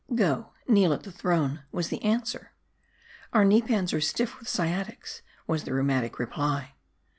" Go, kneel at the throne," was the answer. " Our knee ffans are stiff with sciatics," was the rheu matic reply.